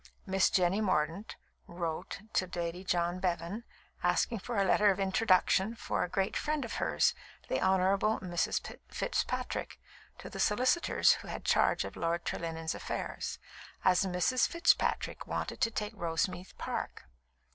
Miss Jenny Mordaunt wrote to Lady John Bevan, asking for a letter of introduction for a great friend of hers, the Honourable Mrs. Fitzpatrick, to the solicitors who had charge of Lord Trelinnen's affairs, as Mrs. Fitzpatrick wanted to take Roseneath Park.